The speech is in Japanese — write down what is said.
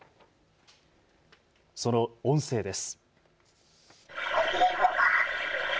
その音声です。